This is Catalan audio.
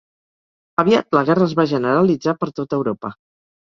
Aviat la guerra es va generalitzar per tota Europa.